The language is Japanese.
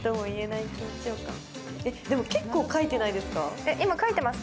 でも結構、描いてないですか？